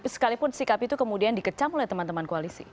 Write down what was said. sekalipun sikap itu kemudian dikecam oleh teman teman koalisi